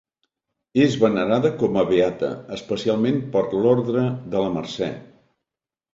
És venerada com a beata, especialment per l'Orde de la Mercè.